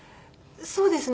そうですね。